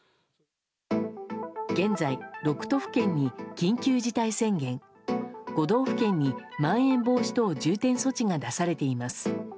現在、６都府県に緊急事態宣言５道府県にまん延防止等重点措置が出されています。